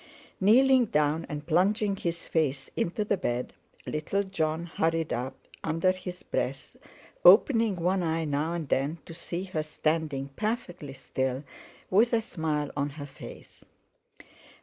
Kneeling down and plunging his face into the bed, little Jon hurried up, under his breath, opening one eye now and then, to see her standing perfectly still with a smile on her face.